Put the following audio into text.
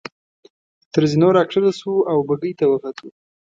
تر زینو را کښته شوو او بګۍ ته وختو.